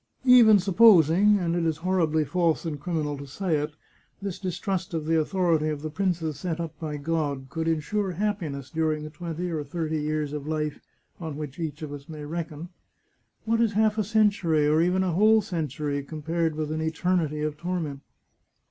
Even supposing — and it is horribly false and criminal to say it — this distrust of the authority of the princes set up by God could insure happiness during the twenty or thirty years of life on which each of us may reckon, what is half a century, or even a whole century, compared with an eternity of tor ment?"